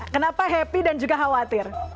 kenapa happy dan juga khawatir